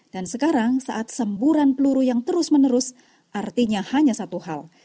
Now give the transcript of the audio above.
dan sekarang saat semburan peluru yang terus menerus artinya hanya satu hal